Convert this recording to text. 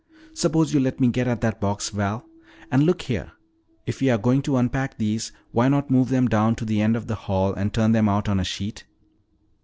Suppose you let me get at that box, Val. And look here, if you are going to unpack these, why not move them down to the end of the hall and turn them out on a sheet?"